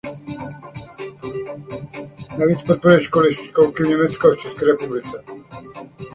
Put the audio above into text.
Navíc podporuje školy a školky v Německu a v České republice.